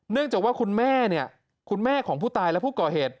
จากว่าคุณแม่เนี่ยคุณแม่ของผู้ตายและผู้ก่อเหตุ